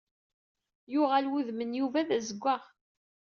Yuɣal w udem n Yuba d azeggaɣ.